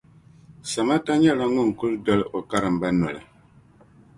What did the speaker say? Samata nyɛla ŋun kuli doli o karimba noli.